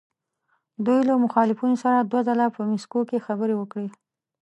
دوی له مخالفینو سره دوه ځله په مسکو کې خبرې وکړې.